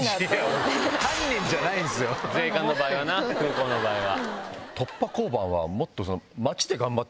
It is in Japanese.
税関の場合はな空港の場合は。